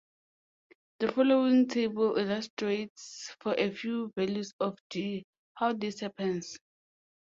The following table illustrates, for a few values of "d", how this happens.